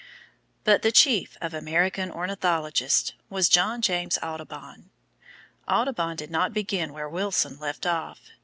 But the chief of American ornithologists was John James Audubon. Audubon did not begin where Wilson left off.